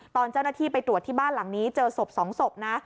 ตอนเจ้าหน้าที่ไปตรวจที่บ้านหลังนี้เจอศพ๒ศพนะ